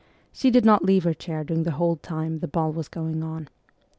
She did not leave her chair during the whole time the ball was going on.